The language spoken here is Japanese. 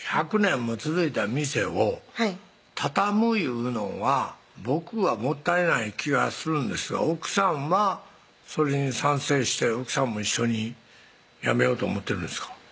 １００年も続いた店を畳むいうのんは僕はもったいない気がするんですが奥さんはそれに賛成して奥さんも一緒に辞めようと思ってるんですか？